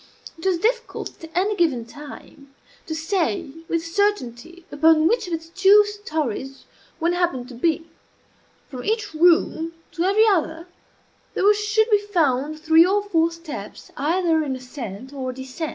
It was difficult, at any given time, to say with certainty upon which of its two stories one happened to be. From each room to every other there were sure to be found three or four steps either in ascent or descent.